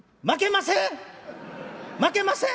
まけません！